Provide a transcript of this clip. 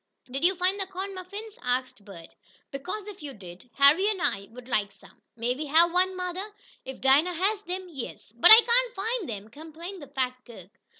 "Did you find those corn muffins?" asked Bert. "Because, if you did, Harry and I would like some. May we have one, mother?" "If Dinah has them, yes." "But I cain't find 'em!" complained the fat cook.